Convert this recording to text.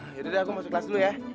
yaudah gua masuk kelas dulu ya